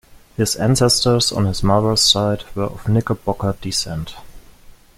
His ancestors on his mother's side were of Knickerbocker descent.